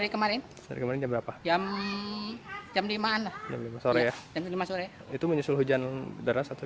ke majalaya majalaya ke dayeh kolot